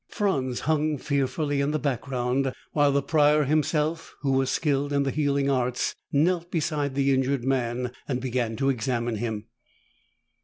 Franz hung fearfully in the background while the Prior himself, who was skilled in the healing arts, knelt beside the injured man and began to examine him.